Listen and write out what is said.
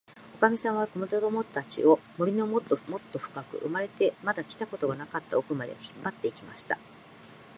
おかみさんは、こどもたちを、森のもっともっとふかく、生まれてまだ来たことのなかったおくまで、引っぱって行きました。